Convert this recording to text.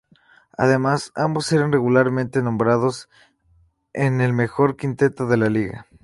Además, ambos eran regularmente nombrados en el mejor quinteto de la liga.